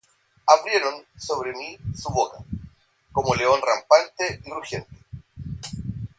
Abrieron sobre mí su boca, Como león rapante y rugiente.